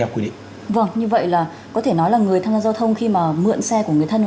cục cảnh sát giao thông bộ công an